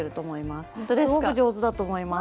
すごく上手だと思います。